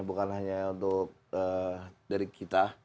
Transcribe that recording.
bukan hanya untuk dari kita